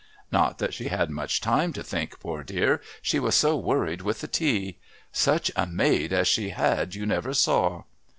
Not that she had much time to think, poor dear, she was so worried with the tea. Such a maid as she had you never saw!"